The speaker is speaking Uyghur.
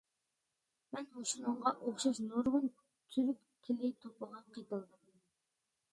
مەن مۇشۇنىڭغا ئوخشاش نۇرغۇن تۈرۈك تىلى توپىغا قېتىلدىم.